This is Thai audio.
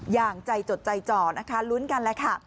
อย่างใจจดใจจ่อนะคะลุ้นกันแหละค่ะ